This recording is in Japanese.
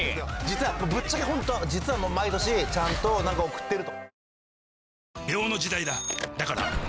実はぶっちゃけほんとは実は毎年ちゃんと何か贈ってる。